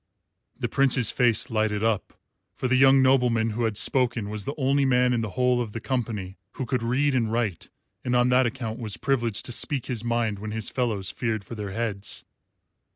The Prince's face lighted up, for the young nobleman who had spoken was the only man in the whole of the company who could read and write, and on that account was privileged to speak his mind when his fellows feared for their heads.